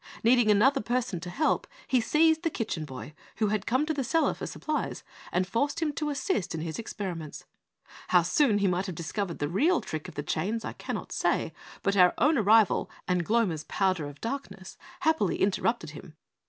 Needing another person to help, he seized the Kitchen Boy who had come to the cellar for supplies and forced him to assist in his experiments. How soon he might have discovered the real trick of the chains I cannot say, but our own arrival and Gloma's powder of darkness happily interrupted him.